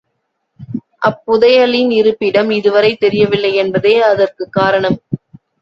அப் புதையலின் இருப்பிடம் இதுவரை தெரியவில்லை என்பதே அதற்குக் காரணம்!